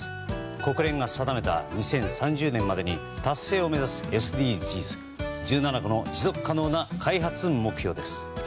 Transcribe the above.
国連が定めた２０３０年までに達成を目指すＳＤＧｓ１７個の持続可能な開発目標です。